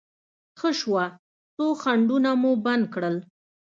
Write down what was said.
ښه شوه، څو خنډونه مو بند کړل.